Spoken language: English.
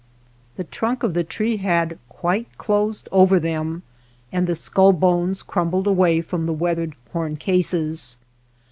The trunk 214 WATER BORDERS of the tree had quite closed over them, and the skull bones crumbled away from the weathered horn cases.